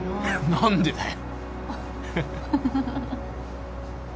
何でだよ。